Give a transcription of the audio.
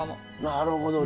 なるほど。